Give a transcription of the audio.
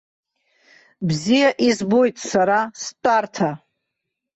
Бзиа избоит сара стәарҭа!